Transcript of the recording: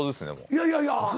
いやいやいや。